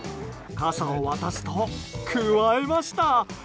傘を渡すと、くわえました。